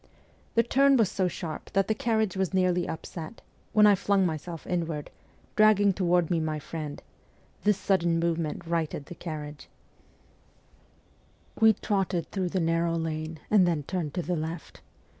The turn was so sharp that the carriage was nearly upset, when I flung my self inward, dragging toward me my friend ; this sudden movement righted the carriage. 176 MEMOIRS OF A REVOLUTIONIST We trotted through the narrow lane and then turned to the left.